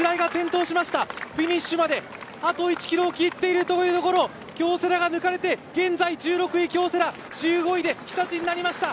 フィニッシュまであと１ｋｍを切っているというところ京セラが抜かれて、現在１６位１５位で日立になりました。